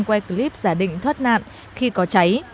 quay clip giả định thoát nạn khi có cháy